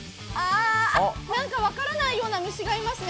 何か分からないような虫がいますね。